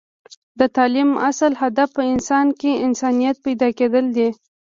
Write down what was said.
د تعلیم اصل هدف په انسان کې انسانیت پیدا کیدل دی